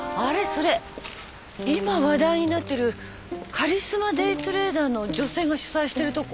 それ今話題になってるカリスマデイトレーダーの女性が主宰してるとこ？